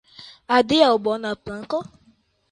Adiaŭ, bona planko!